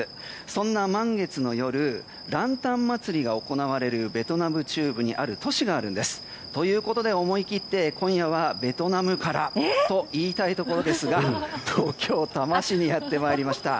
そんな満月の夜ランタン祭りが行われるベトナム中部にある都市があるんです。ということで思い切って今夜はベトナムから！と言いたいところですが東京・多摩市にやってまいりました。